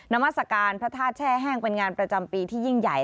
มัศกาลพระธาตุแช่แห้งเป็นงานประจำปีที่ยิ่งใหญ่